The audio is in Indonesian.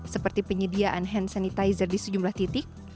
seperti penyediaan hand sanitizer di sejumlah titik